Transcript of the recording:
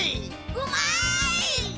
うまい！